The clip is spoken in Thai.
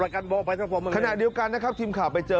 ขณะเดียวกันนะครับทีมข่าวไปเจอ